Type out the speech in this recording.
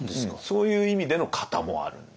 そういう意味での型もあるんで。